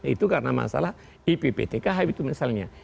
itu karena masalah ipptkh itu misalnya